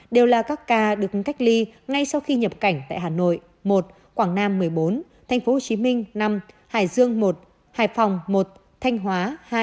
đều là các ca được cách ly ngay sau khi nhập cảnh tại hà nội một quảng nam một mươi bốn tp hcm năm hải dương một hải phòng một thanh hóa